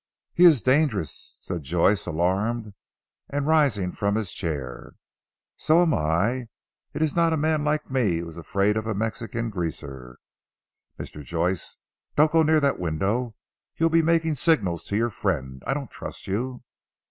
"He is dangerous," said Joyce alarmed, and rising from his chair. "So am I. It is not a man like me who is afraid of a Mexican Greaser, Mr. Joyce. Don't go near that window. You'll be making signals to your friend. I don't trust you."